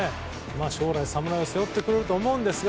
将来、侍を背負っていくと思うんですが。